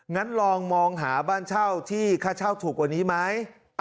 งั้นลองมองหาบ้านเช่าที่ค่าเช่าถูกกว่านี้ไหม